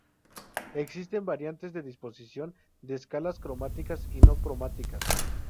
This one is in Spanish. Existen variantes de disposición de escalas cromáticas y no cromáticas.